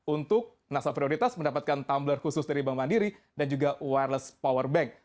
untuk nasabah prioritas mendapatkan tumbler khusus dari bank mandiri dan juga wireless power bank